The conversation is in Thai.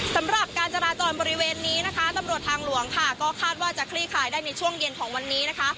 สำหรับการจราจรบริเวณนี้นะคะตำรวจทางหลวงค่ะก็คาดว่าจะคลี่คลายได้ในช่วงเย็นของวันนี้นะคะ